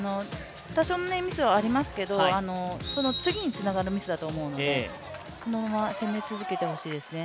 多少のミスはありますけど、次につながるミスだと思うんでこのまま攻め続けてほしいですね。